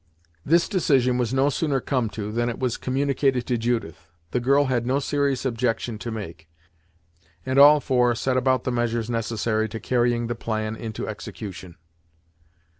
This decision was no sooner come to, than it was communicated to Judith. The girl had no serious objection to make, and all four set about the measures necessary to carrying the plan into execution.